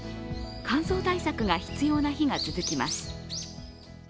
乾燥対策が必要な日が続きます。